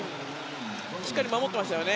しっかりと守っていましたね。